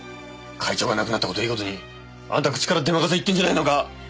会長が亡くなった事をいい事にあんた口からでまかせ言ってんじゃないのか！？